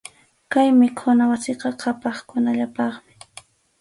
Kay mikhuna wasiqa qhapaqkunallapaqmi.